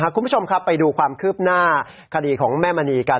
คุณผู้ชมครับไปดูความคืบหน้าคดีของแม่มณีกัน